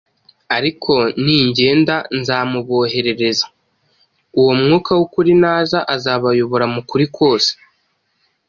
ariko ningenda nzamuboherereza.” “Uwo Mwuka w’ukuri naza, azabayobora mu kuri kose: